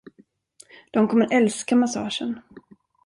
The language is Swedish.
De kommer att älska massagen.